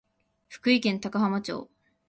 福井県高浜町